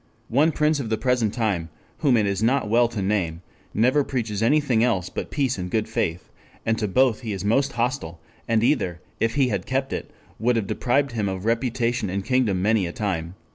One prince of the present time, whom it is not well to name, never preaches anything else but peace and good faith, and to both he is most hostile, and either, if he had kept it, would have deprived him of reputation and kingdom many a time."